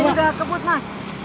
ya udah keput mas